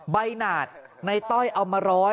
หนาดในต้อยเอามาร้อย